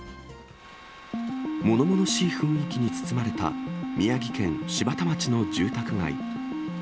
ものものしい雰囲気に包まれた宮城県柴田町の住宅街。